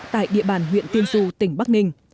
tại địa bàn huyện tiên du tỉnh bắc ninh